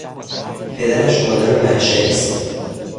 پدرش آدم محشری است.